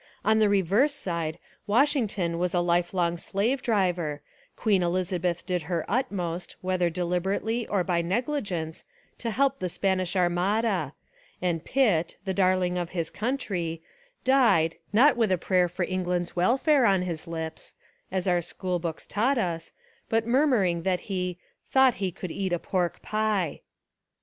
On the reverse side, Washington was a lifelong slave driver, Queen Ehzabeth did her utmost, whether deliberately or by negligence, to help the Spanish Armada, and Pitt, the darling of his country, died, not with a prayer for Eng land's welfare on his lips, as our school books taught us, but murmuring that he "thought he could eat a pork pie."